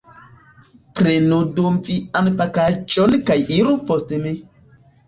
Prenu do vian pakaĵon kaj iru post mi.